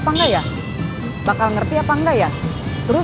kamu mau beli apauu